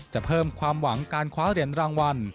จะเพิ่มความหวังการคว้าเหรียญรางวัล